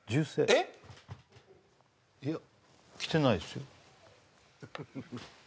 えっいや来てないですよえ